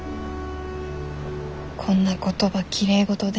こんな言葉きれいごとで。